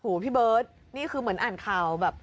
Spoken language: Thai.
โอ้โหพี่เบิร์ตนี่คือเหมือนอ่านข่าวแบบ